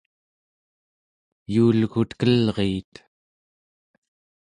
yuulgutkelriit